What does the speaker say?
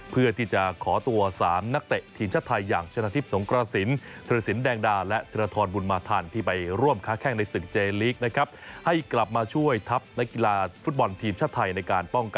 เพื่อที่จะขอตัว๓นักเด็กทีมชาติไทยอย่าง